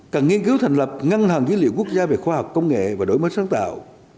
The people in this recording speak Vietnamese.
cần nghiên cứu thành lập ngăn hàng dữ liệu quốc gia về khoa học công nghệ và đổi mới sáng tạo